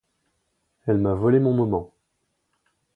Elle m’a volé mon moment.